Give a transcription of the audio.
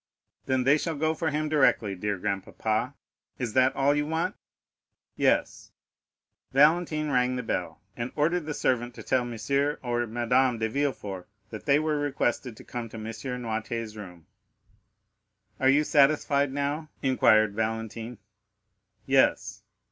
"Then they shall go for him directly, dear grandpapa. Is that all you want?" "Yes." Valentine rang the bell, and ordered the servant to tell Monsieur or Madame de Villefort that they were requested to come to M. Noirtier's room. "Are you satisfied now?" inquired Valentine. "Yes."